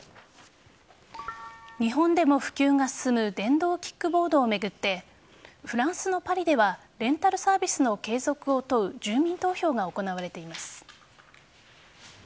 日本でも普及が進む電動キックボードを巡ってフランスのパリではレンタルサービスの継続を問う住民投票が行われています。